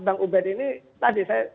bang ubed ini tadi saya